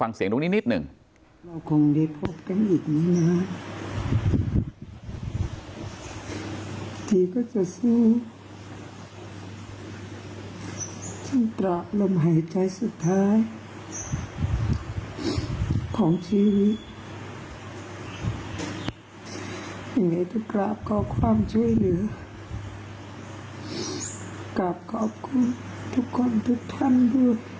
อ่ะเดี๋ยวลองฟังเสียงตรงนี้นิดหนึ่ง